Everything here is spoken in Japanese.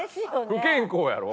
不健康やろ？